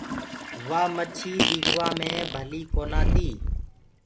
وآ مڇي ديکوآ مي ڀلي ڪونآ تي۔